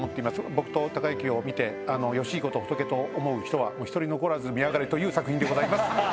僕と孝之を見てヨシヒコと仏と思う人はお１人残らず見やがれという作品でございます。